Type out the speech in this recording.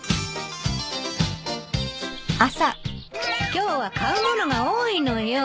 今日は買う物が多いのよ。